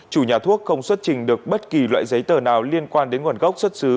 chủ nhà thuốc không xuất trình được bất kỳ loại giấy tờ nào liên quan đến nguồn gốc xuất xứ